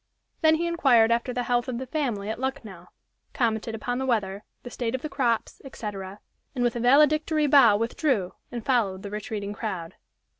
Then he inquired after the health of the family at Luckenough, commented upon the weather, the state of the crops, etc., and with a valedictory bow withdrew, and followed the retreating crowd.